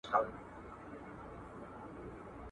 تر ژوندیو مو د مړو لوی قوت دی ,